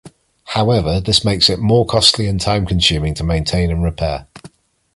However, this makes it more costly and time-consuming to maintain and repair.